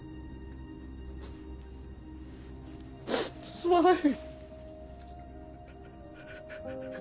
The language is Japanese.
すまない。